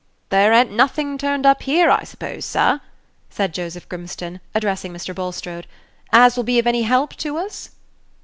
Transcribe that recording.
"There a'n't nothing turned up here, I suppose, sir," said Joseph Grimstone, addressing Mr. Bulstrode, "as will be of any help to us?"